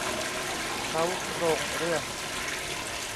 เค้าโครงเรื่อง